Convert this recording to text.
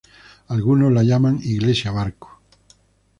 Algunos la llaman "iglesia barco".